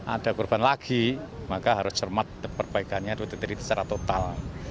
ada kurban lagi maka harus cermat perbaikannya tutup tutup secara total